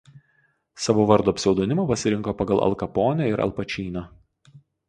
Savo vardo pseudonimą pasirinko pagal Al Kaponė ir Al Pacino.